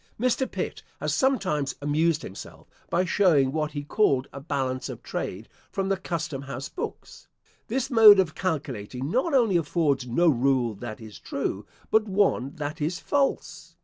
Mr. Pitt has sometimes amused himself, by showing what he called a balance of trade from the custom house books. This mode of calculating not only affords no rule that is true, but one that is false.